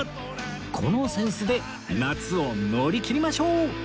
この扇子で夏を乗り切りましょう！